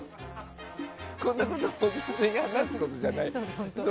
こんなことこの時間に話すことじゃない。